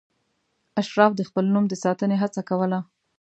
اشراف د خپل نوم د ساتنې هڅه کوله.